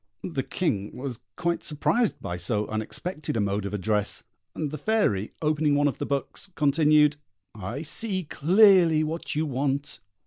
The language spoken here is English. The King was quite surprised by so unexpected a mode of address; and the Fairy, opening one of the books, continued: "I see clearly what you want.